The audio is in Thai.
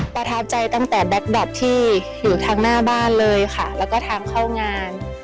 ประทับใจตั้งแต่แก๊กแบตที่อยู่ทางหน้าบ้านเลยค่ะแล้วก็ทางเข้างาน